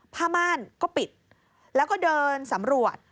ผ้าม่านก็ปิดแล้วก็เดินสำรวจ